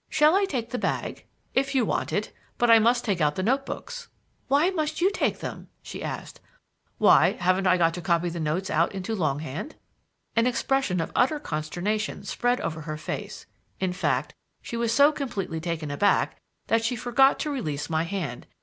Shall I take the bag?" "If you want it. But I must take out the notebooks." "Why must you take them?" she asked. "Why, haven't I got to copy the notes out into long hand?" An expression of utter consternation spread over her face; in fact, she was so completely taken aback that she forgot to release my hand.